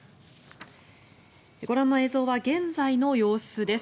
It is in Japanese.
ご覧の映像は現在の様子です。